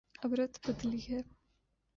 اب رت بدلی ہے۔